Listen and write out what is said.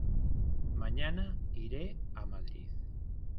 Mañana iré a Madrid.